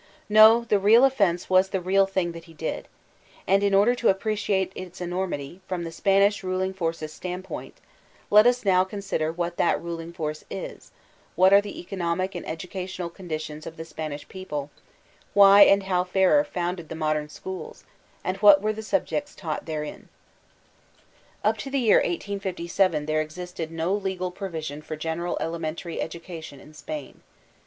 No; the real o£Fense was the real thing that he did. And in order to appreciate its enormity, from the Spanish ruling force's standpoint, let us now consider what that ruling force is, what are the economic and educatiooal conditions of the Spanish people, why and how Ferrer founded the Modem Schools, and what were the subjects taught therein* Up to the year 1857 there existed no I^al provissoo for general elementary education in Spain.